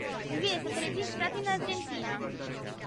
Il video è stato registrato in Argentina.